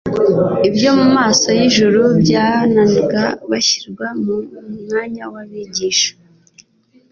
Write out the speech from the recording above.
ibyo mu maso y'ijuru byauunaga bashyirwa mu mwanya w'abigisha.